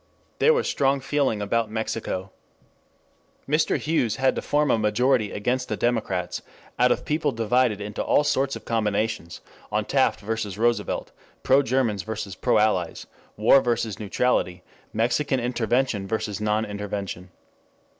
There was strong feeling about Mexico. Mr. Hughes had to form a majority against the Democrats out of people divided into all sorts of combinations on Taft vs. Roosevelt, pro Germans vs. pro Allies, war vs. neutrality, Mexican intervention vs. non intervention.